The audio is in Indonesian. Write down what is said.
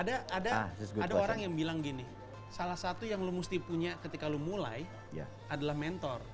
ada orang yang bilang gini salah satu yang lo musti punya ketika lo mulai adalah mentor